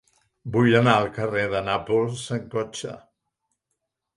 Vull anar al carrer de Nàpols amb cotxe.